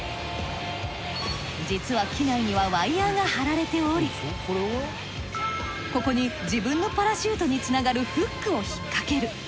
実は機内にはワイヤーが張られておりここに自分のパラシュートに繋がるフックを引っ掛ける。